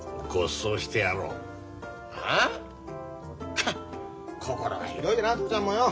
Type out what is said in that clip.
カッ心が広いな父ちゃんもよ。